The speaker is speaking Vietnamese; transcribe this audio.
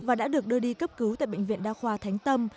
và đã được đưa đi cấp cứu tại bệnh viện đa khoa thánh tâm